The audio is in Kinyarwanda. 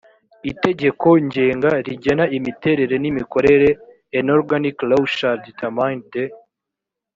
itegeko ngenga rigena imiterere imikorere an organic law shall determine the